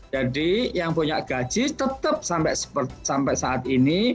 jadi yang punya gaji tetap sampai saat ini